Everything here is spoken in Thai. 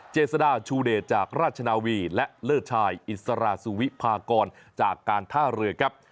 เจษฎาชูเดชจากราชนาวีและเลิศชายอิสราสุวิพากรจากการท่าเรือครับ